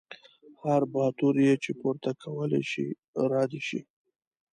هر باتور یې چې پورته کولی شي را دې شي.